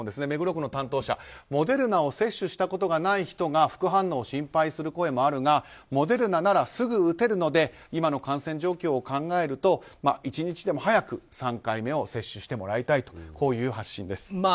目黒区の担当者、モデルナを接種したことがない人が副反応を心配する声もあるがモデルナならすぐ打てるので今の感染状況を考えると１日でも早く３回目を接種してもらいたいという発信です。